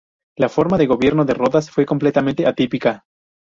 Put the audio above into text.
La forma de gobierno de Rodas fue completamente atípica.